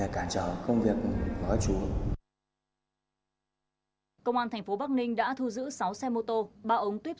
kem cú không có trung tâm để do cho giúp